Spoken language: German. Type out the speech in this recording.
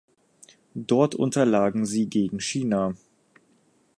Dort unterlagen sie gegen China.